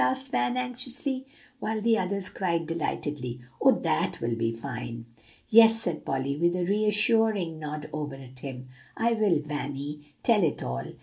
asked Van anxiously; while the others cried delightedly, "Oh, that will be fine!" "Yes," said Polly, with a reassuring nod over at him, "I will Vanny, tell it all.